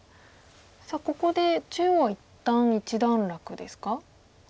さあここで中央は一旦一段落ですか？